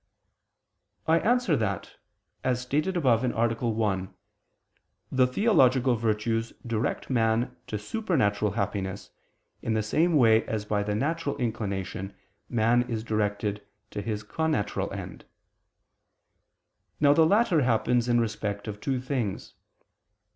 I answer that, As stated above (A. 1), the theological virtues direct man to supernatural happiness in the same way as by the natural inclination man is directed to his connatural end. Now the latter happens in respect of two things.